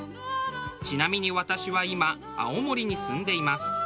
ちなみに私は今青森に住んでいます。